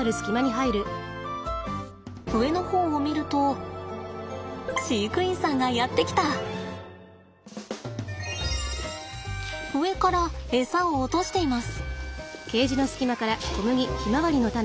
上の方を見ると飼育員さんがやって来た！上からエサを落としています。